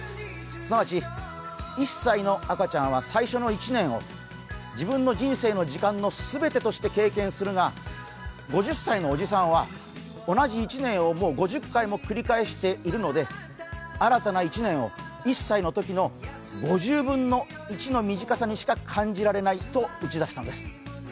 すなわち１歳の赤ちゃんは最初の１年を自分の人生の時間の全てとして経験するが５０歳のおじさんは同じ１年をもう５０回も繰り返しているので、新たな１年を１歳のときに５０分の１の短さにしか感じられないと打ち出したんです。